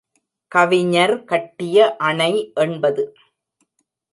கவிஞர் கட்டிய அணை எண்பது.